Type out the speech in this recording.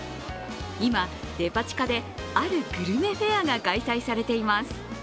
今、デパ地下で、あるグルメフェアが開催されています。